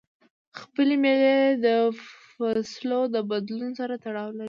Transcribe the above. ځیني مېلې د فصلو د بدلون سره تړاو لري.